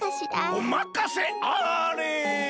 おまかせあれ！